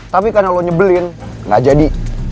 tapi karena lo nyebelin gak jadi